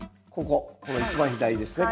この一番左ですね